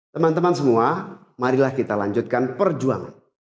teman teman semua marilah kita lanjutkan perjuangan